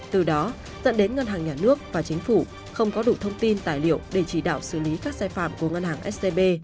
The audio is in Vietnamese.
từ đó dẫn đến ngân hàng nhà nước và chính phủ không có đủ thông tin tài liệu để chỉ đạo xử lý các sai phạm của ngân hàng scb